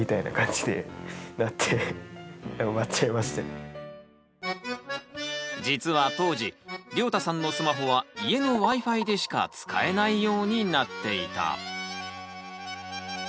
それで多分実は当時りょうたさんのスマホは家のＷｉ−Ｆｉでしか使えないようになっていた。